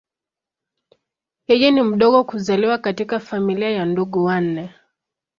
Yeye ni mdogo kuzaliwa katika familia ya ndugu wanne.